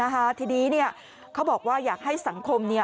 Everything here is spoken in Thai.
ทีนี้เขาบอกว่าอยากให้สังคม